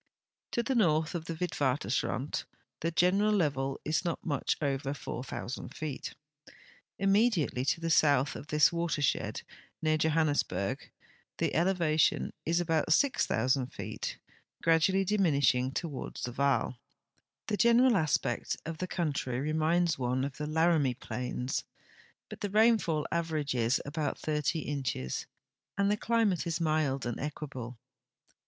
To the north of the Witwatemrand the general level is not much over 4,000 feet. Immediately to the south of this watershed, near Johannesburg, the elevation is about 6,000 feet, gradually diminishing toward the Vaal, The general aspect of the country reminds one of the Laramie plains, but the rainfall averages about 80 inches, and the climate is mild and equable.